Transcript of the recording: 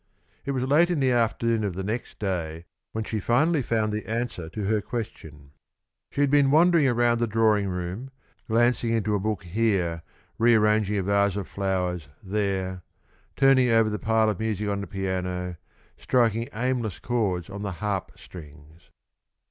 It was late in the afternoon of the next day when she finally found the answer to her question. She had been wandering around the drawing room, glancing into a book here, rearranging a vase of flowers there, turning over the pile of music on the piano, striking aimless chords on the harp strings.